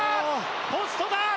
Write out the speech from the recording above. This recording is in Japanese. ポストだ。